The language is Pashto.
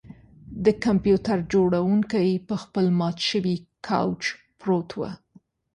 د کمپیوټر جوړونکی په خپل مات شوي کوچ پروت و